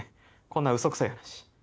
こんな嘘くさい話。